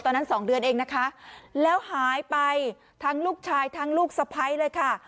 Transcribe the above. สองเดือนเองนะคะแล้วหายไปทั้งลูกชายทั้งลูกสะพ้ายเลยค่ะ